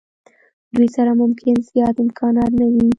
دوی سره ممکن زیات امکانات نه وي.